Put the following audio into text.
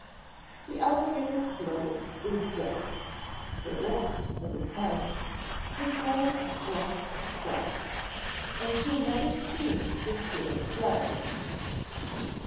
The Alligator, lo, is dead! Bereft of his head, His life breath sped, And to another sphere his spirit fled.